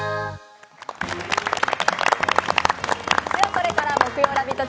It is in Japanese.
これから木曜ラヴィット！